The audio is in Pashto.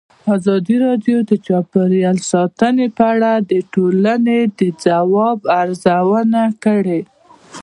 ازادي راډیو د چاپیریال ساتنه په اړه د ټولنې د ځواب ارزونه کړې.